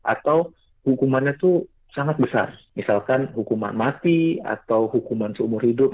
atau hukumannya itu sangat besar misalkan hukuman mati atau hukuman seumur hidup